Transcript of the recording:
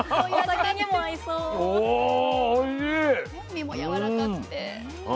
身もやわらかくて。